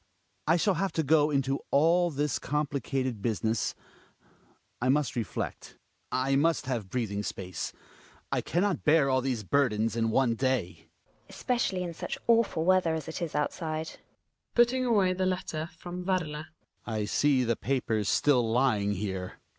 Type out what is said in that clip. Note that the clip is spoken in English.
I shall have to go into all this complicated business — I must reflect; I must have breathing space; I can not bear all these burdens in one da y. GiNA. Especially in such awful weather as it ia outsidej riM^xrt) Hjalmar (putting away the letter from Werle). I see the paper's still lying here.